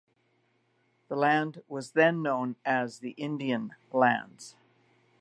This land was then known as the Indian Lands.